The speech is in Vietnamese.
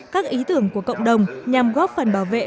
các ý tưởng của cộng đồng nhằm góp phần bảo vệ